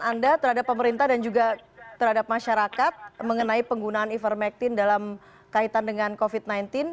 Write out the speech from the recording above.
anda terhadap pemerintah dan juga terhadap masyarakat mengenai penggunaan ivermectin dalam kaitan dengan covid sembilan belas